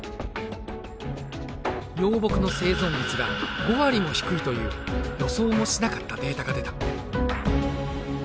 幼木の生存率が５割も低いという予想もしなかったデータが出た。